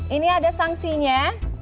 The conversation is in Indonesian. ini ada sangsinya